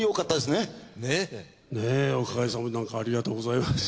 ねぇおかげさまでなんかありがとうございます。